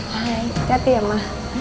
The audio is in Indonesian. hi siap ya ma